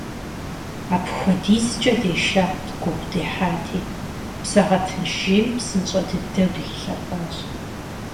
АпхуэдизкӀэ дешат, гугъу дехьати, псэгъэтынш жейм псынщӀэ дыдэу дыхилъэфащ.